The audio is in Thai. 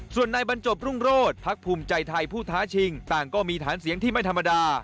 ส่วนในบรรจบรุ่งโรธพักภูมิใจไทยผู้ท้าชิงต่างก็มีฐานเสียงที่ไม่ธรรมดา